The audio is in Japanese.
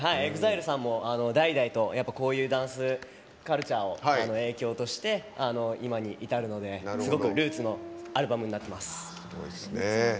ＥＸＩＬＥさんも代々こういうダンスカルチャーに影響されて今に至るので、すごくルーツのアルバムになっています。